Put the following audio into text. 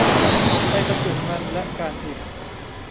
ไทยบรรจุภัณฑ์และการพิมพ์